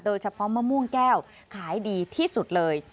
เฉพาะมะม่วงแก้วขายดีที่สุดเลย